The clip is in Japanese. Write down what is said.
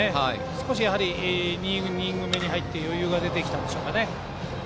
少し２イニング目に入って余裕が出てきたんでしょうかね。